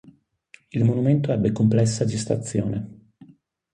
Il monumento ebbe complessa gestazione.